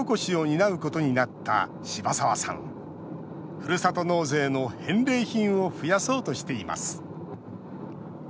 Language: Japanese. ふるさと納税の返礼品を増やそうとしています